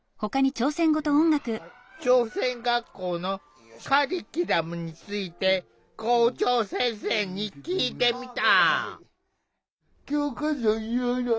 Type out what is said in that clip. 朝鮮学校のカリキュラムについて校長先生に聞いてみた。